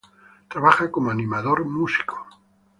Trabaja como animador músico.